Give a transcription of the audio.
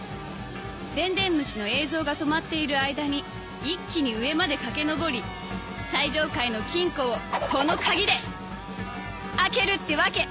電伝虫の映像が止まっている間に一気に上まで駆け上り最上階の金庫をこの鍵で開けるってわけ！